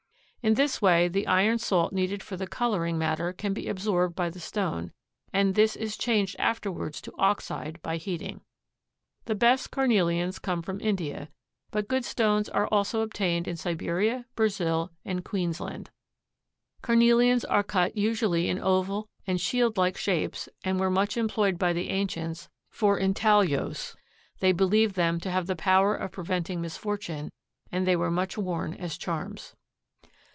In this way the iron salt needed for the coloring matter can be absorbed by the stone and this is changed afterwards to oxide by heating. The best carnelians come from India, but good stones are also obtained in Siberia, Brazil and Queensland. Carnelians are cut usually in oval and shield like shapes and were much employed by the ancients for intaglios. They believed them to have the power of preventing misfortune and they were much worn as charms.